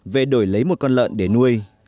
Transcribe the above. về đổi lấy một con lợn để nuôi